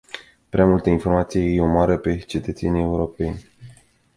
Prea multă informație îi omoară pe cetățenii europeni.